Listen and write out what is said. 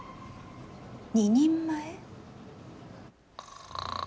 ２人前？